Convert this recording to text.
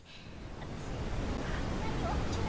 私あんなに大きな犬は。